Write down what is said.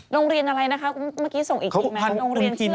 โรงเรียนอะไรนะครับเมื่อกี้ส่งอีกใหม่นะเขาพร้ำคุณทิน